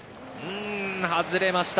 外れました。